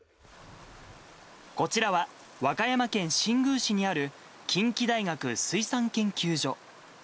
こちらは、和歌山県新宮市にある近畿大学水産研究所。